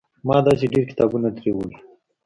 ما داسې ډېر کتابونه ترې وړي.